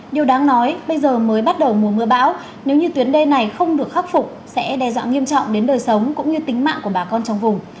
điều đáng nói bây giờ mới bắt đầu mùa mưa bão nếu như tuyến đê này không được khắc phục sẽ đe dọa nghiêm trọng đến đời sống cũng như tính mạng của bà con trong vùng